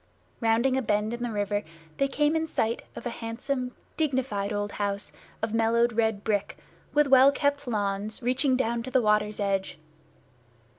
Rounding a bend in the river, they came in sight of a handsome, dignified old house of mellowed red brick, with well kept lawns reaching down to the water's edge.